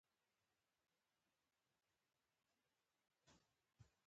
د بانډار پیژلونه مو وغوړول.